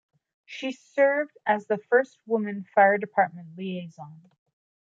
She served as the first woman Fire Department Liaison.